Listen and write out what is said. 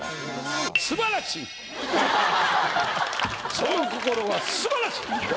その心は素晴らしい。